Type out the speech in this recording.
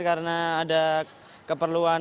karena ada keperluan